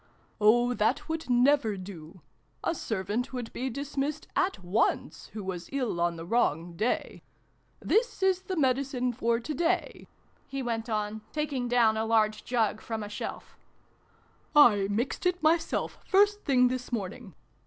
" Oh, that would never do ! A Servant would be dismissed at once, who was ill on the wrong day ! This is the Medi cine for today," he went on, taking down a large jug from a shelf. " I mixed it, myself, first thing this morning.